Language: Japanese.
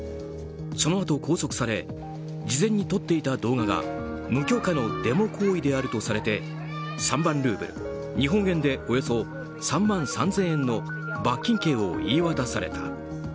そのあと拘束され事前に撮っていた動画が無許可のデモ行為であるとされて３万ルーブル日本円でおよそ３万３０００円の罰金刑を言い渡された。